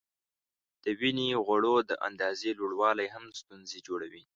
د وینې غوړو د اندازې لوړوالی هم ستونزې جوړوي.